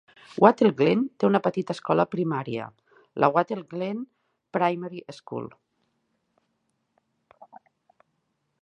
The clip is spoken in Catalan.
Wattle Glen té una petita escola primària, la Wattle Glen Primary School.